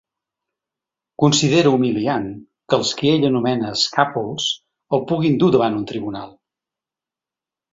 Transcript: Considera humiliant que els qui ell anomena escàpols el puguin dur davant un tribunal.